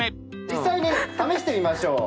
実際に試してみましょう。